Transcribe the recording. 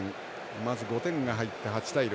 まず５点が入って８対６。